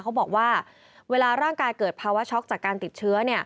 เขาบอกว่าเวลาร่างกายเกิดภาวะช็อกจากการติดเชื้อ